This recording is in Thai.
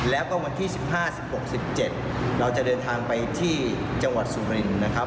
แล้วก็วันที่๑๕๑๖๑๗เราจะเดินทางไปที่จังหวัดสุรินนะครับ